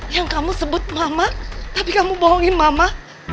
yang kamu sebut mama tapi kamu bohongin mama